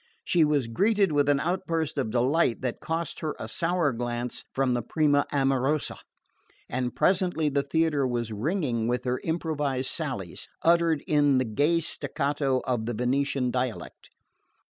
She was greeted with an outburst of delight that cost her a sour glance from the prima amorosa, and presently the theatre was ringing with her improvised sallies, uttered in the gay staccato of the Venetian dialect.